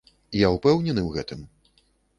Я ўпэўнены ў гэтым.